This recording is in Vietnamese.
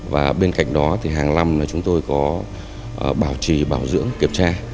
và bên cạnh đó thì hàng năm là chúng tôi có bảo trì bảo dưỡng kiểm tra